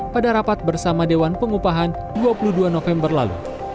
pada rapat bersama dewan pengupahan dua puluh dua november lalu